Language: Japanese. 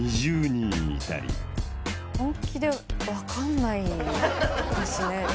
本気で分かんないですね。